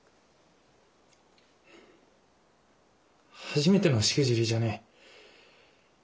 初めてのしくじりじゃねえ。